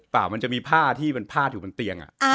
ปะมันจะมีผ้าที่มันผ้าถึงเป็นเตียงอะ